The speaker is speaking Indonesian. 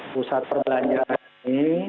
pusat perbelanjaan ini